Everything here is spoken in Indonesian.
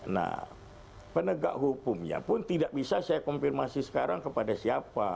nah penegak hukumnya pun tidak bisa saya konfirmasi sekarang kepada siapa